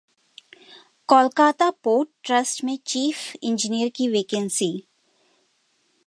Kolkata port trust में chief engineer की vacancy